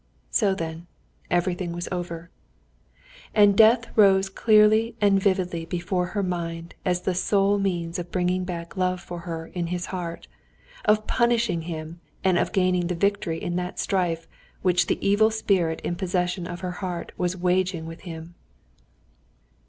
So then everything was over. And death rose clearly and vividly before her mind as the sole means of bringing back love for her in his heart, of punishing him and of gaining the victory in that strife which the evil spirit in possession of her heart was waging with him.